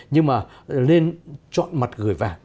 nhưng mà nên chọn mặt gửi vào